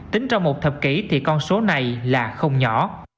tính trong một thập kỷ thì con số này là không nhỏ